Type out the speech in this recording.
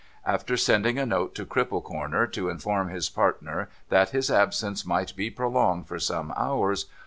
After sending a note to Cripple Corner to inform his partner that his absence might be prolonged for some hours.